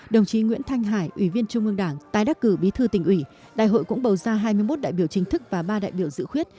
đồng chí nguyễn thanh hải ủy viên trung ương đảng tái đắc cử bí thư tỉnh ủy đại hội cũng bầu ra hai mươi một đại biểu chính thức và ba đại biểu dự khuyết